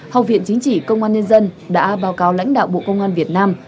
học viện chính trị công an nhân dân đã báo cáo lãnh đạo bộ công an việt nam